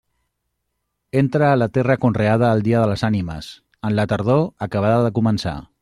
Entra a la terra conreada el dia de les Ànimes, en la tardor acabada de començar.